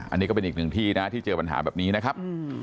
อันนี้ก็เป็นอีกหนึ่งที่นะที่เจอปัญหาแบบนี้นะครับ